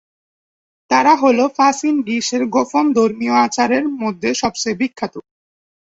তারা হ'ল "প্রাচীন গ্রিসের গোপন ধর্মীয় আচারের মধ্যে সবচেয়ে বিখ্যাত"।